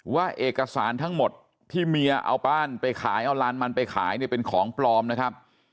ว่าเอกสารทั้งหมดที่เมียเอาบ้านไปขายเอาลานมันไปขายเนี่ยเป็นของปลอมนะครับ